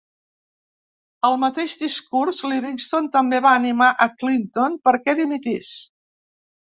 Al mateix discurs, Livingston també va animar a Clinton perquè dimitís.